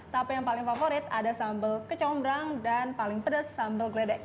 tapi yang paling favorit ada sambal kecombrang dan paling pedes sambal gledek